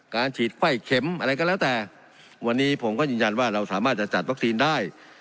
ฉีดไข้เข็มอะไรก็แล้วแต่วันนี้ผมก็ยืนยันว่าเราสามารถจะจัดวัคซีนได้